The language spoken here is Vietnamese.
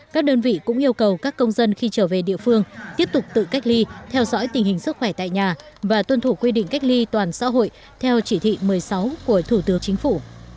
các đơn vị cũng yêu cầu các công dân khi trở về địa phương tiếp tục tự cách ly theo dõi tình hình sức khỏe tại nhà và tuân thủ quy định cách ly toàn xã hội theo chỉ thị một mươi sáu của thủ tướng chính phủ